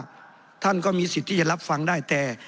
สถานก็มีสิทธิให้รับฟังได้แต่